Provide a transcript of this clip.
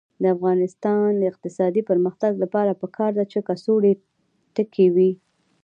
د افغانستان د اقتصادي پرمختګ لپاره پکار ده چې کڅوړې تکې وي.